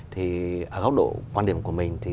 thì ở góc độ quan điểm của mình